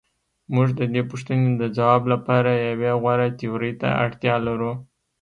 موږ د دې پوښتنې د ځواب لپاره یوې غوره تیورۍ ته اړتیا لرو.